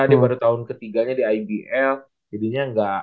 dia baru tahun ketiganya di ibl jadinya